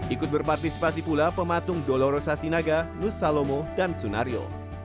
ikut berpartisipasi pula pematung dolorosa sinaga nus salomo dan sunario